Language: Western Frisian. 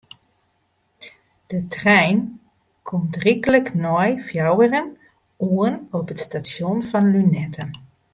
De trein komt ryklik nei fjouweren oan op it stasjon fan Lunetten.